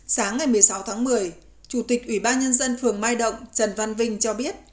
sáng ngày một mươi sáu tháng một mươi chủ tịch ủy ban nhân dân phường mai động trần văn vinh cho biết